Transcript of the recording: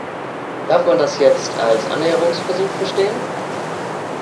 Darf man das jetzt als Annäherungsversuch verstehen?